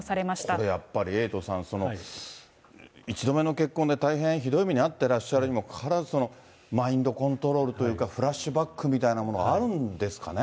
これやっぱり、エイトさん、１度目の結婚で大変ひどい目に遭ってらっしゃるにもかかわらず、マインドコントロールというか、フラッシュバックみたいなものがあるんですかね。